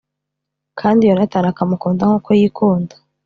kandi Yonatani akamukunda nk’uko yikunda